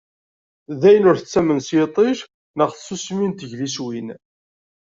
Dayen, ur tettamen s yiṭij neɣ s tsusmi n tegliswin.